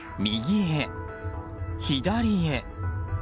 右へ、左へ。